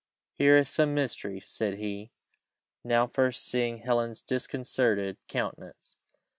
"Here is some mystery," said he, now first seeing Helen's disconcerted countenance.